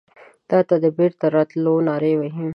تاته د بیرته راتلو نارې وهې